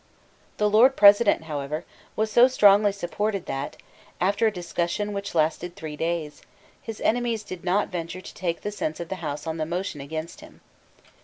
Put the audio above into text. The Lord President, however, was so strongly supported that, after a discussion which lasted three days, his enemies did not venture to take the sense of the House on the motion against him.